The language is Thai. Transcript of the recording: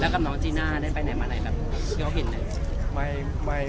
แล้วกับน้องจีน่าได้ไปไหนมาไหน